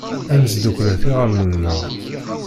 Ad nesdakklet iɣallen-nneɣ.